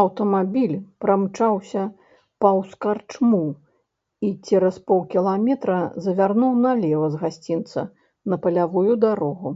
Аўтамабіль прамчаўся паўз карчму і цераз паўкіламетра завярнуў налева з гасцінца, на палявую дарогу.